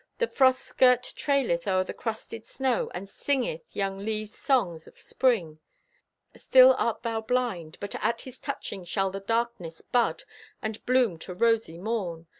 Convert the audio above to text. The frost skirt traileth o'er the crusted snow And singeth young leaves' songs of Spring. Still art thou blind! But at His touching shall the darkness bud And bloom to rosy morn.